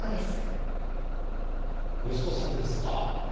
息子さんですか。